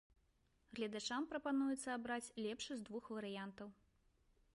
Гледачам прапануецца абраць лепшы з двух варыянтаў.